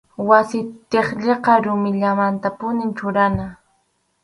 Wasi tiqsiqa rumillamantapunim churana.